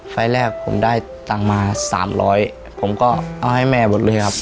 ไฟล์แรกผมได้ตังค์มา๓๐๐ผมก็เอาให้แม่หมดเลยครับ